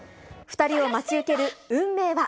２人を待ち受ける運命は。